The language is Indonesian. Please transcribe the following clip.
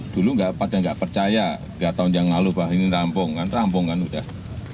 dulu pada nggak percaya tiga tahun yang lalu bahwa ini rampung kan rampung kan udah